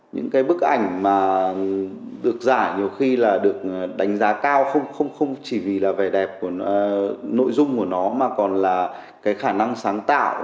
những bức ảnh được giải nhiều khi là được đánh giá cao không chỉ vì vẻ đẹp nội dung của nó mà còn là khả năng sáng tạo